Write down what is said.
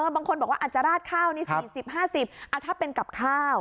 บางคนบอกว่าอาจจะราดข้าวนี่๔๐๕๐ถ้าเป็นกับข้าว